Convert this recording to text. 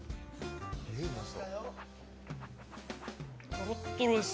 とろっとろです。